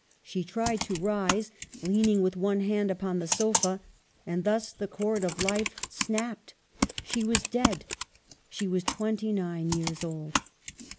She tried to rise, leaning with one hand upon the sofa. And thus the chord of life snapped. She was dead. She was twenty nine years old.